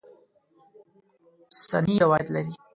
سنې روایت لري.